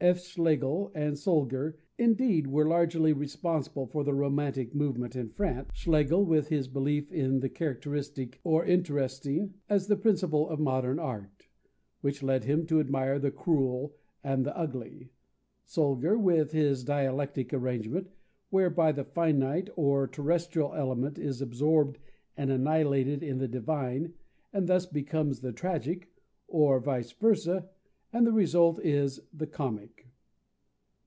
F. Schlegel and Solger indeed were largely responsible for the Romantic movement in France Schlegel with his belief in the characteristic or interesting as the principle of modern art, which led him to admire the cruel and the ugly; Solger with his dialectic arrangement, whereby the finite or terrestrial element is absorbed and annihilated in the divine and thus becomes the tragic, or vice versa, and the result is the comic.